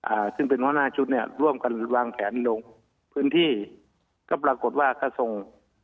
อ่าซึ่งเป็นหัวหน้าชุดเนี้ยร่วมกันวางแผนลงพื้นที่ก็ปรากฏว่าก็ส่ง